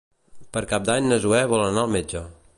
Per Cap d'Any na Zoè vol anar al metge.